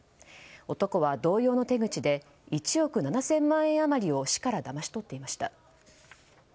男は同様の手口で１億７０００万円余りを市から、だまし取っていました。